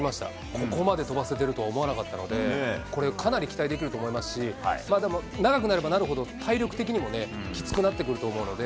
ここまで飛ばせてるとは思わなかったので、これ、かなり期待できると思いますし、でも長くなればなるほど、体力的にもね、きつくなってくると思うので。